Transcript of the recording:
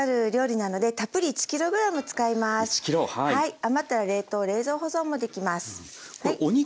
余ったら冷凍・冷蔵保存もできます。